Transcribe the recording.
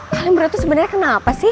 kalian berdua tuh sebenernya kenapa sih